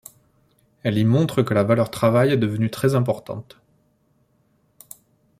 Elle y montre que la valeur travail est devenue très importante.